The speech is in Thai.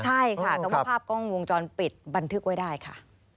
ใช่ค่ะแต่ว่าภาพกล้องวงจรปิดบันทึกไว้ได้ค่ะ